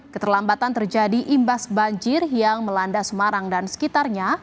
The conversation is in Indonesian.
keterlambatan terjadi imbas banjir yang melanda semarang dan sekitarnya